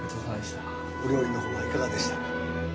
お料理の方はいかがでしたか。